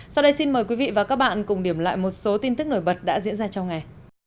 sau đây xin mời quý vị và các bạn cùng điểm lại một số tin tức nổi bật đã diễn ra trong ngày